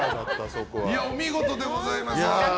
お見事でございます。